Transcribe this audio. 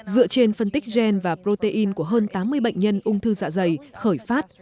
dựa trên phân tích gen và protein của hơn tám mươi bệnh nhân ung thư dạ dày khởi phát